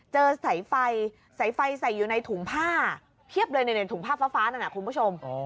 เจอสายไฟสายไฟใส่อยู่ในถุงผ้าเพียบเลยในถุงผ้าฟ้านั่นนะคุณผู้ชม